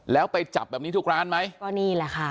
แล้วไปจับแบบนี้ทุกร้านไหมก็นี่แหละค่ะ